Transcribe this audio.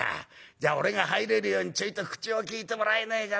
じゃあ俺が入れるようにちょいと口を利いてもらえねえかな』